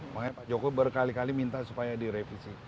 makanya pak jokowi berkali kali minta supaya direvisi